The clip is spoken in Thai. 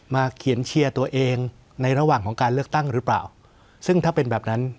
เขียนเชียร์ตัวเองในระหว่างของการเลือกตั้งหรือเปล่าซึ่งถ้าเป็นแบบนั้น